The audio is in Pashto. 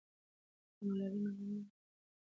که ملالۍ نومیالۍ نه وای، نو په جګړه کې به شامله نه وای.